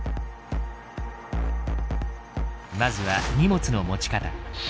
まずは荷物の持ち方。